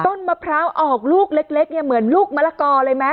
มะพร้าวออกลูกเล็กเนี่ยเหมือนลูกมะละกอเลยไหม